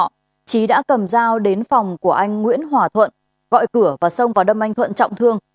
trước đó trí đã cầm dao đến phòng của anh nguyễn hòa thuận gọi cửa và xông vào đâm anh thuận trọng thương